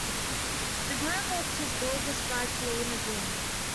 The groom walked his gorgeous bride to the limousine.